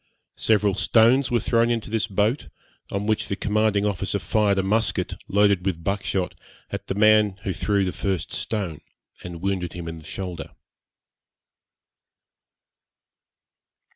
Several stones were thrown into this boat, on which the commanding officer fired a musket, loaded with buck shot, at the man who threw the first stone, and wounded him in the shoulder.